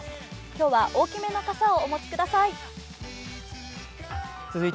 今日は大きめの傘をお持ちください。